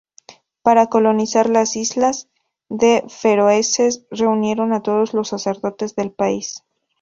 Para colonizar la isla, los feroeses reunieron a todos los sacerdotes del país.